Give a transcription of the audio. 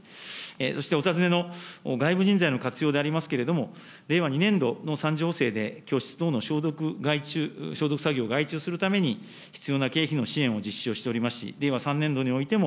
そしてお尋ねの外部人材の活用でありますけれども、令和２年度の３次補正で教室等の消毒作業を外注するために、必要な経費の支援を実施をしておりますし、令和３年度においても、